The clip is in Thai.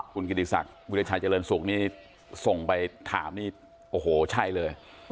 คุณกิติศักดิ์วิราชัยเจริญสุขนี่ส่งไปถามนี่โอ้โหใช่เลย